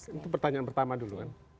itu pertanyaan pertama dulu kan